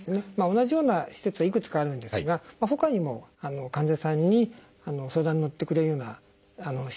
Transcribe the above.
同じような施設はいくつかあるんですがほかにも患者さんに相談にのってくれるような施設とかですね